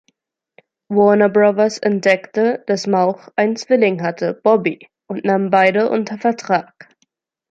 Warner Brothers entdeckte, dass Mauch einen Zwilling hatte, Bobby, und nahm beide unter Vertrag.